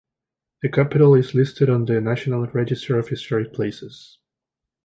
The Capitol is listed on the National Register of Historic Places.